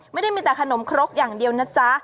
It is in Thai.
ไม่ได้มีแต่ขนมครกอย่างเดียวนะจ๊ะ